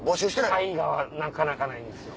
大河はなかなかないんですよ。